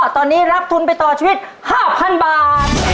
ตอนนี้รับทุนไปต่อชีวิต๕๐๐๐บาท